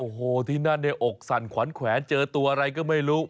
โอ้โหที่นั่นเนี่ยอกสั่นขวัญแขวนเจอตัวอะไรก็ไม่รู้